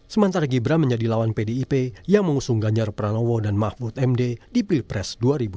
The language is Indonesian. sementara gibran menjadi lawan pdip yang mengusung ganjar pranowo dan mahfud md di pilpres dua ribu dua puluh